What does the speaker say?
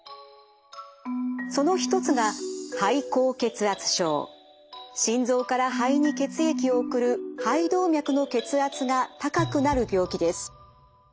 その一つが心臓から肺に血液を送る肺動脈の血圧が高くなる病気です。